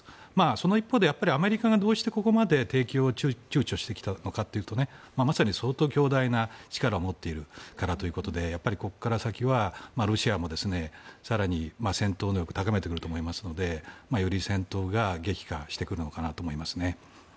その一方で、アメリカがここまで供給を躊躇してきたかというとまさに相当強大な力を持っているからということでここから先はロシアも更に戦闘能力を高めてくると思いますのでより戦闘が激化してくるのかなと思いますね。